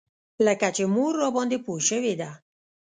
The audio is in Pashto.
لکه چې مور راباندې پوه شوې ده.